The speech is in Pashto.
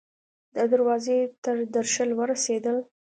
د دروازې تر درشل ورسیدل